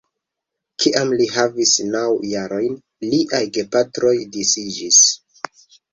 Kiam li havis naŭ jarojn, liaj gepatroj disiĝis.